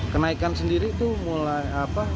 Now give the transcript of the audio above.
kenaikan sendiri itu mulai apa